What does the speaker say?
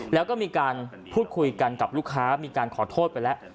แล้วก็มีการพูดคุยกันกับลูกค้ามีการขอโทษไปแล้ว